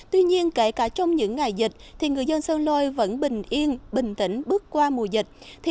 tuy nhiên kể cả trong những ngày dịch người dân sơn lôi vẫn bình yên bình tĩnh bước qua mùa dịch